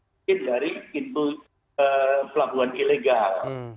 mungkin dari pelabuhan ilegal